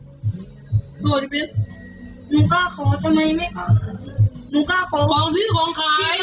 หนูข้าให้ออก